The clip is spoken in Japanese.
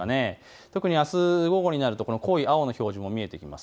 特にあす午後になると濃い青の表示も見えてきます。